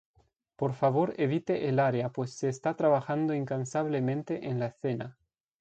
Por favor evite el área pues se está trabajando incansablemente en la escena".